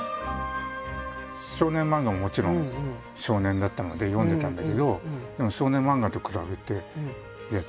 少年漫画ももちろん少年だったので読んでたんだけどでも少年漫画と比べていや